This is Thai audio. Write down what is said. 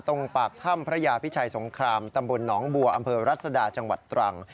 ปากถ้ำพระยาพิชัยสงครามตำบลหนองบัวอำเภอรัศดาจังหวัดตรัง